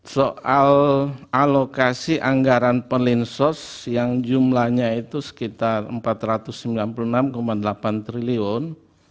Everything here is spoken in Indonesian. soal alokasi anggaran perlinsos yang jumlahnya itu sekitar rp empat ratus sembilan puluh enam delapan triliun